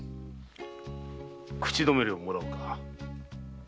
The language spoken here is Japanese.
口どめ料をもらおうか。